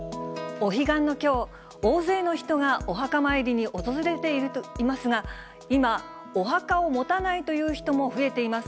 お彼岸のきょう、大勢の人がお墓参りに訪れていますが、今、お墓を持たないという人も増えています。